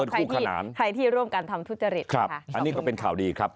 ใครที่ใครที่ร่วมกันทำทุจริตอันนี้ก็เป็นข่าวดีครับ